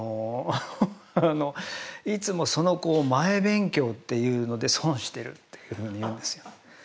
あの「いつもその前勉強っていうので損してる」っていうふうに言うんですよ。